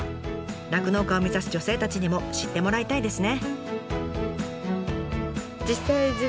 酪農家を目指す女性たちにも知ってもらいたいですね。